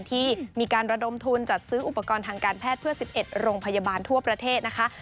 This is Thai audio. ที่มีการระดมทุนจัดซื้ออุปกรณ์ทางการแพทย์เพื่อ๑๑โรงพยาบาลทั่วประเทศนะคะ